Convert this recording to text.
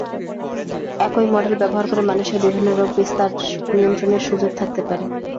একই মডেল ব্যবহার করে মানুষের বিভিন্ন রোগ বিস্তার নিয়ন্ত্রণের সুযোগ থাকতে পারে।